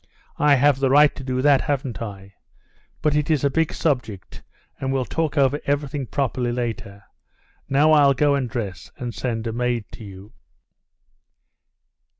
I have the right to do that, haven't I? But it is a big subject, and we'll talk over everything properly later. Now I'll go and dress and send a maid to you."